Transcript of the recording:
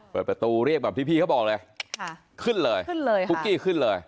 เปิดประตูเรียกแบบพี่พีเขาบอกเลยขึ้นเลยฮุกกี้ขึ้นเลย